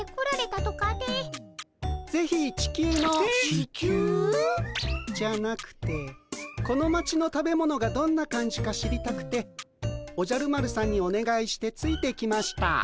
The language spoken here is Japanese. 地球？じゃなくてこの町の食べ物がどんな感じか知りたくておじゃる丸さんにおねがいしてついてきました。